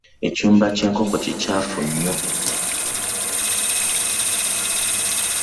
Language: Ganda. Ekiyumba ky'enkoko kikyaafu nnyo.